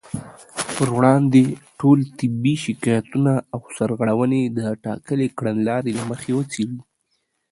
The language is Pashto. پر وړاندې ټول طبي شکايتونه او سرغړونې د ټاکلې کړنلارې له مخې وڅېړي